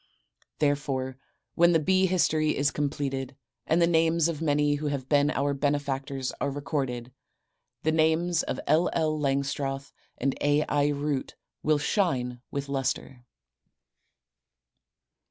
Therefore, when the bee history is completed, and the names of many who have been our benefactors are recorded, the names of L. L. Langstroth and A. I. Root will shine with lustre.